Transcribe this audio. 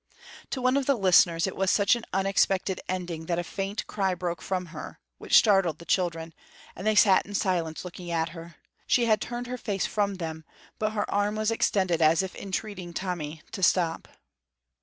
To one of the listeners it was such an unexpected ending that a faint cry broke from her, which startled the children, and they sat in silence looking at her. She had turned her face from them, but her arm was extended as if entreating Tommy to stop.